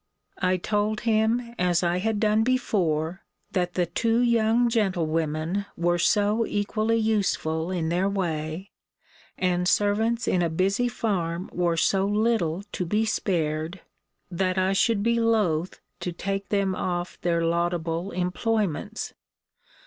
I told him as I had done before, that the two young gentlewomen were so equally useful in their way, and servants in a busy farm were so little to be spared, that I should be loth to take them off their laudable employments.